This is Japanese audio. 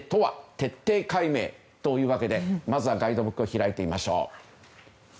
徹底解明というわけでまずはガイドブックを開いてみましょう。